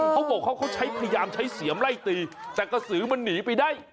เขาบอกเขาใช้พยายามใช้เสียมไล่ตีแต่กระสือมันหนีไปได้